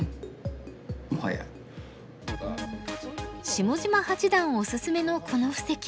下島八段おすすめのこの布石